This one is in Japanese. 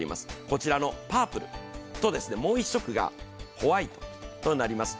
こちらのパープルと、もう１色がホワイトとなります。